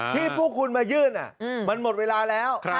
ที่พวกคุณมายื่นมันหมดเวลาแล้ว